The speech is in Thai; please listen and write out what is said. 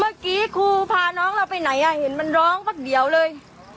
เมื่อกี้ครูพาน้องเราไปไหนเห็นมันร้องพักเดียวเลย